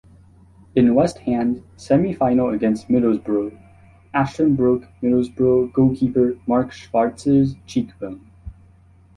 In West Ham's semi-final against Middlesbrough, Ashton broke Middlesbrough goalkeeper Mark Schwarzer's cheekbone.